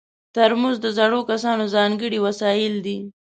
ترموز د زړو کسانو ځانګړی وسایل دي.